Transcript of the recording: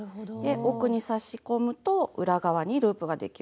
奥に刺し込むと裏側にループができる。